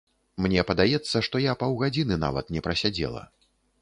Мне падаецца, што я паўгадзіны нават не прасядзела.